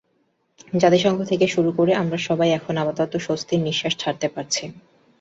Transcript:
জাতিসংঘ থেকে শুরু করে আমরা সবাই এখন আপাতত স্বস্তির নিশ্বাস ছাড়তে পারি।